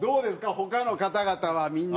他の方々はみんな。